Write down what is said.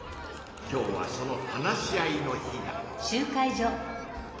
今日はその話し合いの日だ。